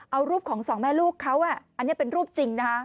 เอารูปของสองแม่ลูกเขาอันนี้เป็นรูปจริงนะคะ